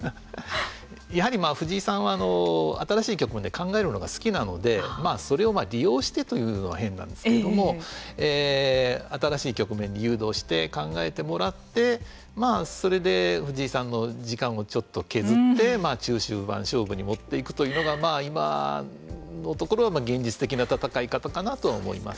やはり藤井さんは新しい局面で考えるのが好きなのでそれを利用してというのは変なんですけども新しい局面に誘導して考えてもらってそれで藤井さんの時間をちょっと削って中終盤勝負に持っていくというのがまあ、今のところは現実的な戦い方かなと思います。